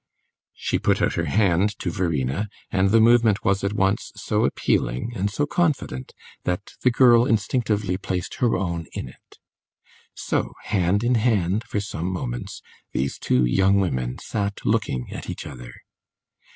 She put out her hand to Verena, and the movement was at once so appealing and so confident that the girl instinctively placed her own in it. So, hand in hand, for some moments, these two young women sat looking at each other.